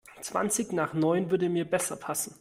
Zwanzig nach neun würde mir besser passen.